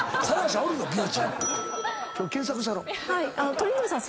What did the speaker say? トリンドルさん